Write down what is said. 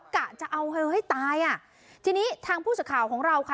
กะจะเอาเธอให้ตายอ่ะทีนี้ทางผู้สื่อข่าวของเราค่ะ